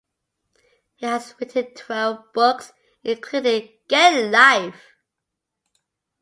He has written twelve books, including: Get A Life!